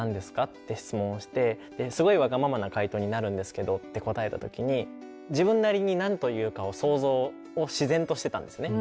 って質問をして「すごいわがままな回答になるんですけど」って答えた時に自分なりに何と言うかを想像を自然としてたんですね。